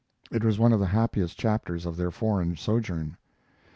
It was one of the happiest chapters of their foreign sojourn.